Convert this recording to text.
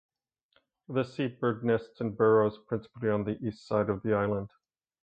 This seabird nests in burrows principally on the east side of the island.